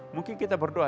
mungkin kita berdoa